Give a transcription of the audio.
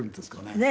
ねえ。